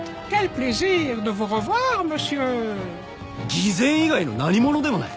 偽善以外の何物でもない。